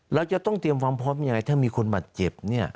เราจะต้องเตรียมความพร้อมยังไงถ้ามีคนบาดเจ็บเนี่ย